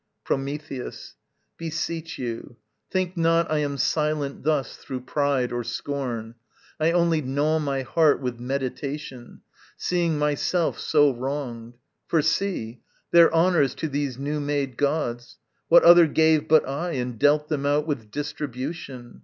Prometheus. Beseech you, think not I am silent thus Through pride or scorn. I only gnaw my heart With meditation, seeing myself so wronged. For see their honours to these new made gods, What other gave but I, and dealt them out With distribution?